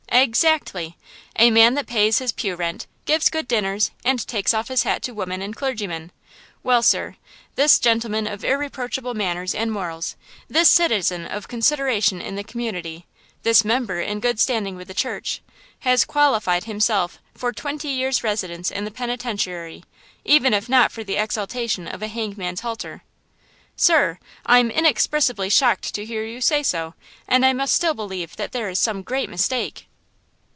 "Ex actly! A man that pays his pew rent, gives good dinners and takes off his hat to women and clergymen! Well, sir, this gentleman of irreproachable manners and morals–this citizen of consideration in the community–this member in good standing with the church–has qualified himself for twenty years' residence in the penitentiary, even if not for the exaltation of a hangman's halter!" "Sir, I am inexpressibly shocked to hear you say so, and I must still believe that there is some great mistake."